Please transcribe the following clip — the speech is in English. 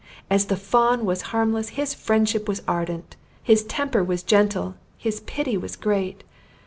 As the fawn was harmless: his friendship was ardent: his temper was gentle: his pity was great!